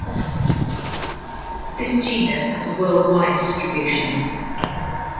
This genus has a worldwide distribution.